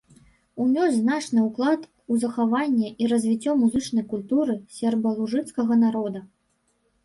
Унёс значны ўклад у захаванне і развіццё музычнай культуры сербалужыцкага народа.